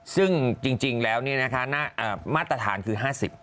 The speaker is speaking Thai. ซึ่งจริงแล้วนี่นะคะมาตรฐานคือ๕๐